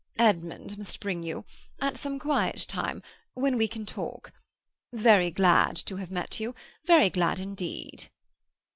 "Edmund must bring you—at some quiet time when we can talk. Very glad to have met you—very glad indeed."